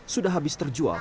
sudah habis terjual